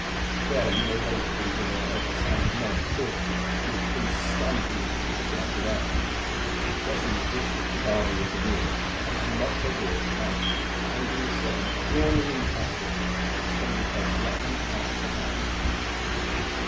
Then they waited until they heard the sound of men talking and of beasts stamping in the courtyard without. Guessing that this was the barber with the mules, they unlocked their door and, finding the servant yawning in the passage, persuaded her to let them out of the house.